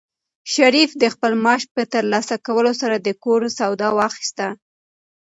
شریف د خپل معاش په ترلاسه کولو سره د کور سودا واخیسته.